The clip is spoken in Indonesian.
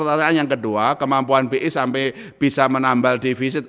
pertanyaan yang kedua kemampuan bi sampai bisa menambal defisit